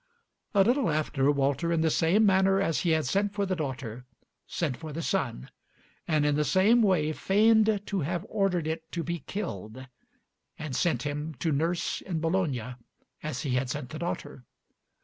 A little after, Walter, in the same manner as he had sent for the daughter, sent for the son, and in the same way feigned to have ordered it to be killed, and sent him to nurse in Bologna as he had sent the daughter.